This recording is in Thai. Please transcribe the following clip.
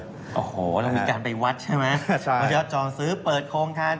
โอ้โหเรามีการไปวัดใช่ไหมมายอดจองซื้อเปิดโครงการ